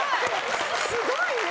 すごいね。